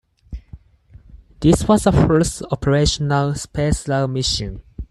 This was the first operational Spacelab mission.